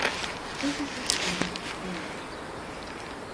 Колькі ж яшчэ будзем стаяць?